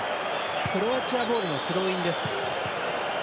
クロアチアボールのスローインです。